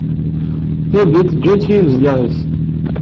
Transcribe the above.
Tamdint ǧǧan-tt yimezdaɣ-is.